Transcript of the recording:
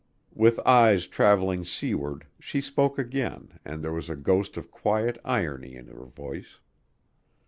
With eyes traveling seaward she spoke again and there was a ghost of quiet irony in her voice.